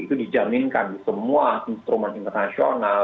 itu dijaminkan di semua instrumen internasional